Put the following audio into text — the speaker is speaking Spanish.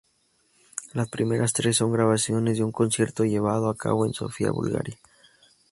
Las primeras tres son grabaciones de un concierto llevado a cabo en Sofía, Bulgaria.